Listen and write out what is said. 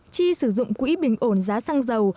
chi sử dụng quỹ bình ổn giá xăng dầu